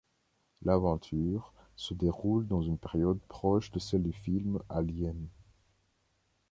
L'aventure se déroule dans une période proche de celle du film Alien.